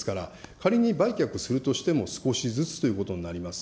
仮に売却するとしても少しずつということになります。